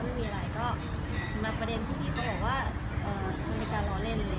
สำหรับประเด็นที่พี่เขาบอกว่ามันเป็นการล้อเล่นอะไรอย่างนี้